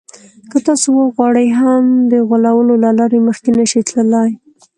که تاسې وغواړئ هم د غولولو له لارې مخکې نه شئ تللای.